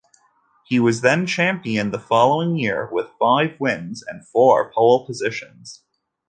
He was then champion the following year with five wins and four pole positions.